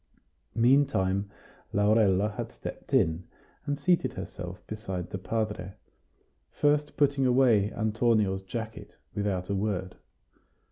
Meantime Laurella had stepped in, and seated herself beside the padre, first putting away Antonio's jacket without a word.